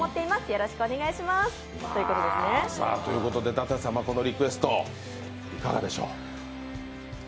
舘様、このリクエストいかがでしょう。